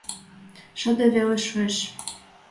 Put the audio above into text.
Шыде веле шуэш.